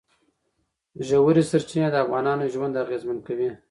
ژورې سرچینې د افغانانو ژوند اغېزمن کوي.